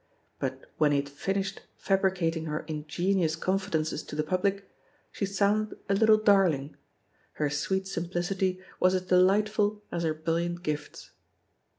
But when he had finished fabricating her in genuous confidences to the public, she sounded a little darling — ^her sweet simplicity was as de lightful as her brilliant gifts.